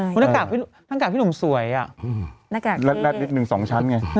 หน้ากากพี่หนุ่มสวยอ่ะหน้ากากแรดนิดนึง๒ชั้นไง